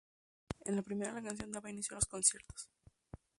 En la primera, la canción daba inicio a los conciertos.